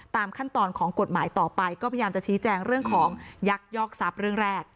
ตามขั้นตอนของกฎหมายต่อไปก็พยายามจะชี้แจงเรื่องของยักยอกทรัพย์เรื่องแรก